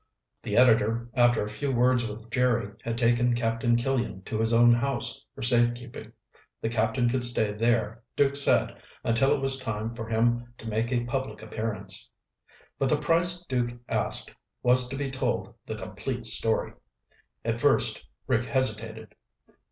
The editor, after a few words with Jerry, had taken Captain Killian to his own house for safekeeping. The captain could stay there, Duke said, until it was time for him to make a public appearance. But the price Duke asked was to be told the complete story. At first Rick hesitated.